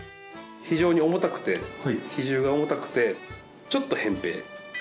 非常に重たくて比重が重たくてちょっと扁平。